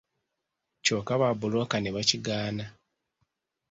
Kyokka babbulooka ne bakigaana.